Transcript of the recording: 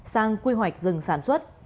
sang quy hoạch rừng sản xuất